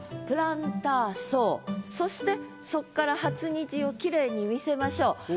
「プランター葬」そしてそっから「初虹」をきれいに見せましょう。